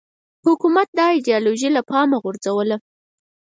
حکومت دا ایدیالوژي له پامه وغورځوله